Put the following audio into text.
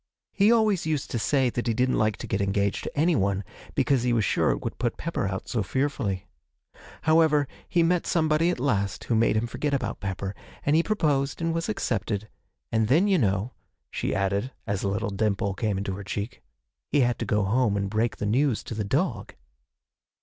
He always used to say that he didn't like to get engaged to anyone, because he was sure it would put Pepper out so fearfully. However, he met somebody at last who made him forget about Pepper, and he proposed and was accepted and then, you know,' she added, as a little dimple came in her cheek, 'he had to go home and break the news to the dog.'